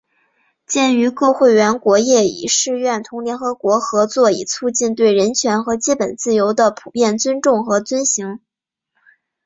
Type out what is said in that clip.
鉴于各会员国业已誓愿同联合国合作以促进对人权和基本自由的普遍尊重和遵行